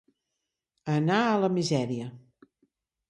Anar a la misèria.